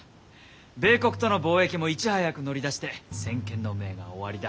米国との貿易もいち早く乗り出して先見の明がおありだ。